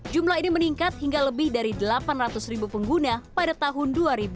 jumlah ini meningkat hingga lebih dari delapan ratus ribu pengguna pada tahun dua ribu dua puluh